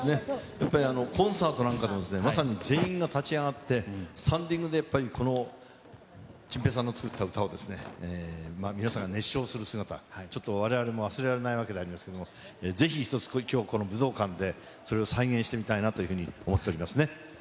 やっぱりコンサートなんかでもまさに全員が立ち上がって、スタンディングでチンペイさんの作った歌を皆様が熱唱する姿、ちょっとわれわれも忘れられないわけでありますけれども、ぜひ一つ、きょうはこの武道館で、それを再現してみたいなというふうに思っておりますね。